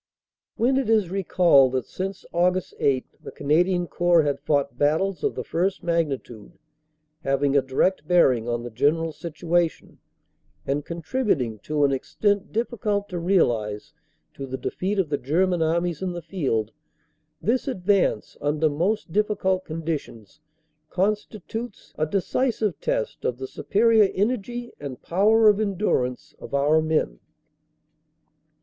... "When it is recalled that since Aug. 8 the Canadian Corps had fought battles of the first magnitude, having a direct bear ing on the general situation, and contributing to an extent diffi cult to realise to the defeat of the German Armies in the field, this advance under most difficult conditions constitutes a deci 400 INTO GERMANY 401 sive test of the superior energy and power of endurance of our men.